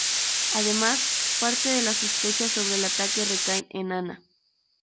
Además, parte de las sospechas sobre el ataque recaen en Ana.